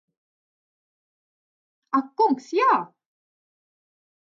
Ak kungs, jā!